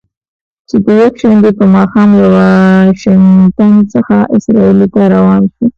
چې د یکشنبې په ماښام له واشنګټن څخه اسرائیلو ته روانه شوې.